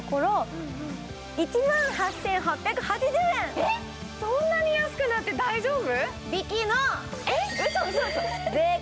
えっ、そんなに安くなって大丈夫！？